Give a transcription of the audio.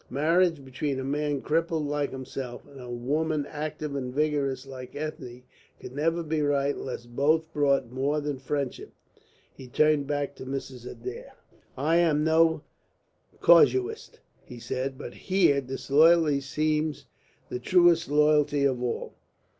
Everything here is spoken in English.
Marriage between a man crippled like himself and a woman active and vigorous like Ethne could never be right unless both brought more than friendship. He turned back to Mrs. Adair. "I am no casuist," he said. "But here disloyalty seems the truest loyalty of all.